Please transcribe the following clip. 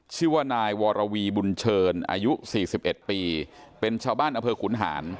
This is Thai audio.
ชื่อว่านายวรวีบุญเชิญอายุสี่สิบเอ็ดปีเป็นชาวบ้านอเภอขุนหาร